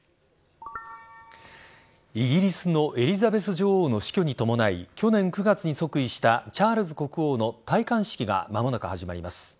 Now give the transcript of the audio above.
イギリスのエリザベス女王の死去に伴い去年９月に即位したチャールズ国王の戴冠式が間もなく始まります。